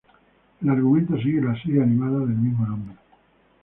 El argumento sigue la serie animada del mismo nombre.